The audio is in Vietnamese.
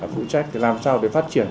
phụ trách làm sao để phát triển